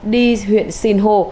đi huyện xìn hồ